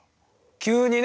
急にね